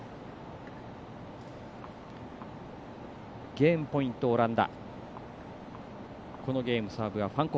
ゲームポイント、オランダ。